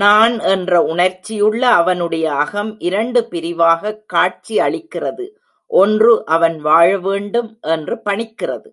நான் என்ற உணர்ச்சியுள்ள அவனுடைய அகம் இரண்டு பிரிவாகக் காட்சியளிக்கிறது ஒன்று, அவன் வாழவேண்டும் என்று பணிக்கிறது.